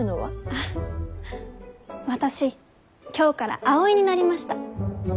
あ私今日から葵になりました。